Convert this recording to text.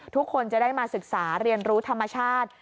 ทุกคนจะได้มาศึกษาเรียนรู้ธรรมชาติ